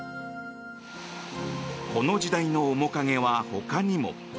この時代の面影は、ほかにも。